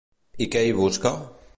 I què hi busca?